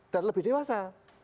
dan lebih dewasa